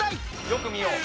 よく見よう。